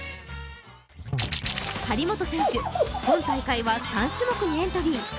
張本選手、今大会は３種目にエントリー。